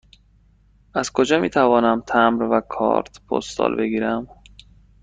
از کجا می توانم تمبر و کارت پستال بگیرم؟